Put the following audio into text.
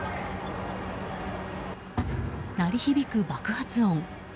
鳴り響く爆発音。